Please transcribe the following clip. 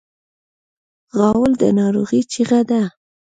غول د ناروغۍ چیغه ده.